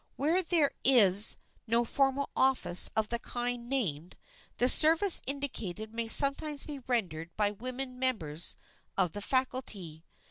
Where there is no formal office of the kind named, the service indicated may sometimes be rendered by women members of the faculty.